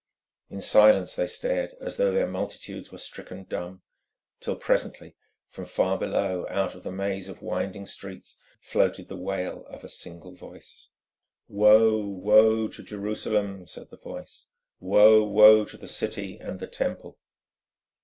In silence they stared as though their multitudes were stricken dumb, till presently, from far below out of the maze of winding streets, floated the wail of a single voice. "Woe, woe to Jerusalem!" said the voice. "Woe, woe to the City and the Temple!"